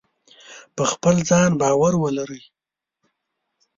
په خپل ځان باور ولرئ.